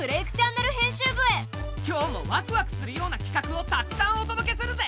今日もワクワクするようなきかくをたくさんお届けするぜ！